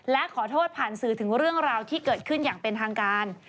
และขอโทษผ่านสื่อถึงเรื่องราวที่เกิดขึ้นอย่างเป็นทางการ